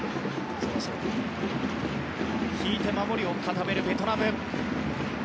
引いて守りを固めるベトナム。